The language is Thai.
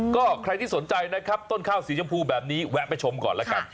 ก็ใครที่สนใจนะครับต้นข้าวสีชมพูแบบนี้แวะไปชมก่อนแล้วกัน